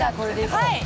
はい！